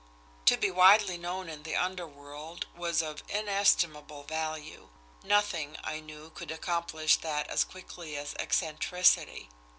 To be widely known in the underworld was of inestimable value nothing, I knew, could accomplish that as quickly as eccentricity.